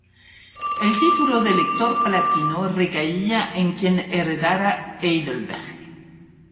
El título de Elector Palatino recaía en quien heredara Heidelberg.